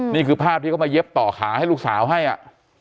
นี่คือภาพที่เขามาเย็บต่อขาให้ลูกสาวให้อ่ะ